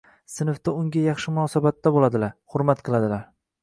sinfda unga yaxshi munosabatda bo‘ladilar, hurmat qiladilar.